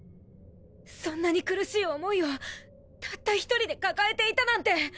そんなに苦し想いをたった１人で抱えていたなんて。